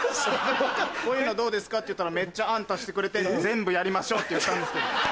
こういうのどうですかって言ったら案足してくれて全部やりましょうって言ったんですけど。